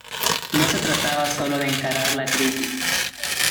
No se trataba sólo de encarar la crisis.